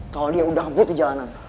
kalau dia udah ngebut di jalanan